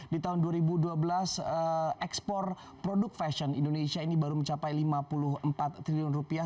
di tahun dua ribu dua belas ekspor produk fashion indonesia ini baru mencapai lima puluh empat triliun rupiah